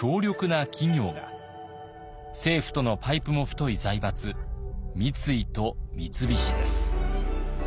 政府とのパイプも太い財閥三井と三菱です。